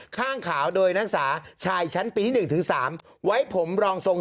ข้างขาวโดยนักศึกษาชายชั้นปีที่๑ถึง๓ไว้ผมรองทรง